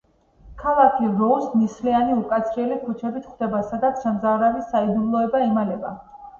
ქალაქი როუზს ნისლიანი, უკაცრიელი ქუჩებით ხვდება, სადაც შემზარავი საიდუმლო იმალება.